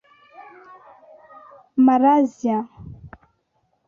Malaysia